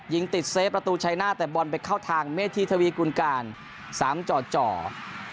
ยิงติดเซฟประตูชัยหน้าแต่บอลไปเข้าทางเมธีทวีกุลการสามจ่อ